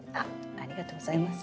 ありがとうございます。